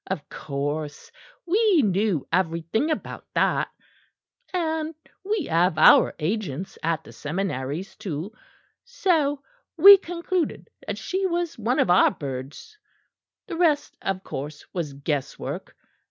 Of course we knew everything about that: and we have our agents at the seminaries too; so we concluded that she was one of our birds; the rest, of course, was guesswork.